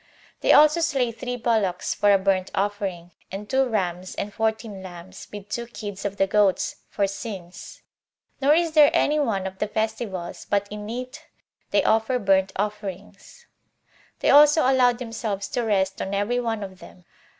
They also slay three bullocks for a burnt offering, and two rams; and fourteen lambs, with two kids of the goats, for sins; nor is there anyone of the festivals but in it they offer burnt offerings; they also allow themselves to rest on every one of them.